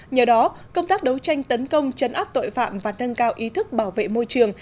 nhờ đó công tác đấu tranh tấn công chấn áp tội phạm và nâng cao ý thức bảo vệ môi trường